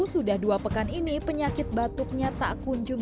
sudah dua pekan ini penyakit batuknya tak kunjung